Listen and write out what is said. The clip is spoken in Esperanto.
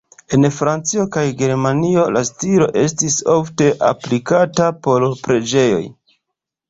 En Francio kaj Germanio la stilo estis ofte aplikata por preĝejoj.